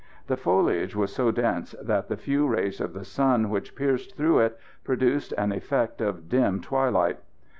The foliage was so dense that the few rays of the sun which pierced through it produced an effect of dim twilight.